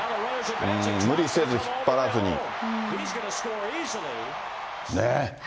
無理せず引っ張らずに。ね。